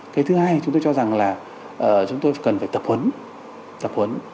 cái thứ hai chúng tôi cho rằng là chúng tôi cần phải tập huấn tập huấn